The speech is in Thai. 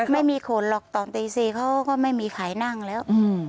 ไม่มีขนหรอกตอนตี๔เขาก็ไม่มีใครนั่งแล้ว